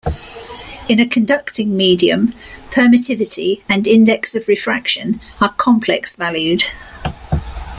In a conducting medium, permittivity and index of refraction are complex-valued.